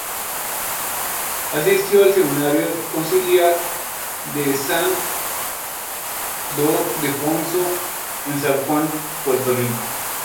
Asistió al Seminario Conciliar de San Ildefonso en San Juan, Puerto Rico.